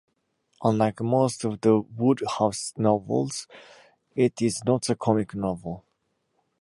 Unlike most of Wodehouse's novels, it is not a comic novel.